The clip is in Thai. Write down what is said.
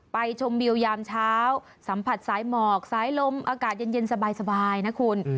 ชมวิวยามเช้าสัมผัสสายหมอกสายลมอากาศเย็นสบายนะคุณ